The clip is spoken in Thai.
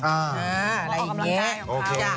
อะไรอย่างนี้โอเค